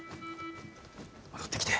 戻ってきて。